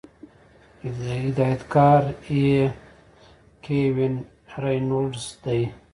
هدايتکار ئې Kevin Reynolds دے